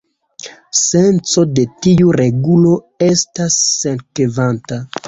Senco de tiu regulo estas sekvanta.